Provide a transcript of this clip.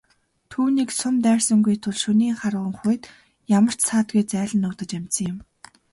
Түүнийг сум дайрсангүй тул шөнийн харанхуйд ямар ч саадгүй зайлан нуугдаж амжсан юм.